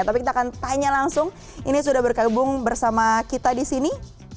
tapi kita akan tanya langsung ini sudah bergabung bersama kita di sini